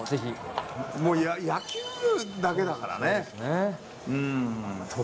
もう、野球だけだからね。